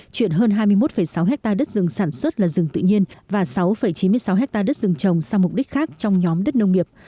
chuyển hơn hai mươi một sáu hectare đất rừng sản xuất là rừng tự nhiên và sáu chín mươi sáu ha đất rừng trồng sang mục đích khác trong nhóm đất nông nghiệp